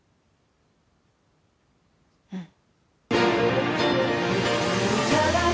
うん。